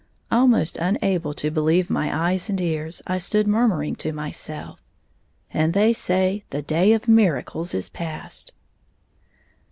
Almost unable to believe my eyes and ears, I stood, murmuring to myself, "And they say the day of miracles is past!"